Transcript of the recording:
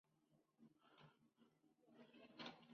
La iluminación se recibe por sencillos óculos.